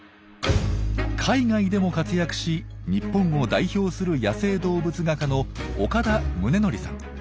海外でも活躍し日本を代表する野生動物画家の岡田宗徳さん。